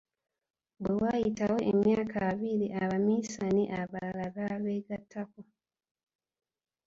Bwe waayitawo emyaka ebiri Abaminsani abalala baabeegattako.